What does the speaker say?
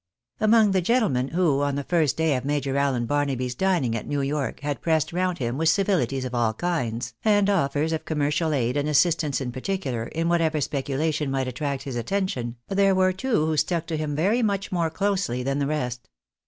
Among the gentlemen who, on the first day of Major Allen Bar naby's dining at New York had pressed round him with civilities of all kinds, and offers of commercial aid and assistance in parti cular, in whatever speculation might attract his attention, there were two who stuck to him very much more closely than the rest.